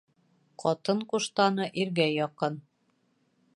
Ҡатын ҡуштаны иргә яҡын.